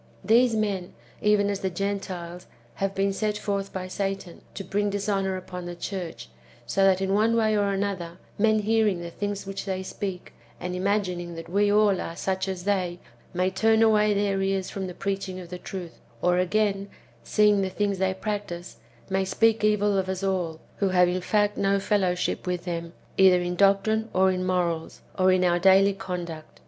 These men, even as the Gentiles, have been sent forth by Satan to bring dishonour upon the church, so that, in one way or another, men hearing the things which they speak, and imagining that we all are such as they, may turn away their ears from the preaching of the truth ; or, again, seeing the things they practise, may speak evil of us all, who have in fact no fellowship with them, either in doctrine or in morals, or in our daily conduct.